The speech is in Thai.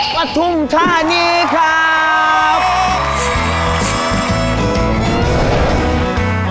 กระทุ่มท่านี้ครับ